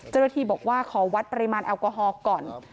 เจ้าหน้าที่บอกว่าขอวัดปริมาณแอลกอฮอล์ก่อน